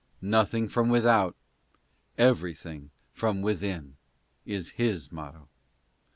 "Nothing from without, everything from within," is his motto.